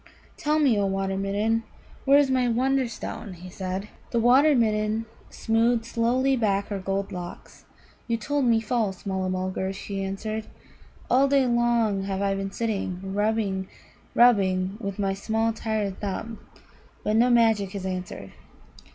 "Tell me, O Water midden, where is my Wonderstone?" he said. The Water midden smoothed slowly back her gold locks. "You told me false, Mulla mulgar," she answered. "All day long have I been sitting rubbing, rubbing with my small tired thumb, but no magic has answered.